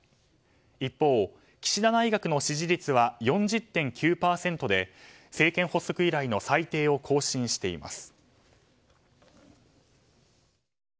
一方、岸田内閣の支持率は４０．９％で政権発足以来の最低を更新しています。